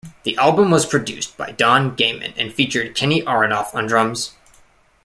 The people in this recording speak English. The album was produced by Don Gehman and featured Kenny Aronoff on drums.